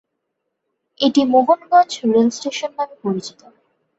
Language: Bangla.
এটি মোহনগঞ্জ রেলস্টেশন নামে পরিচিত।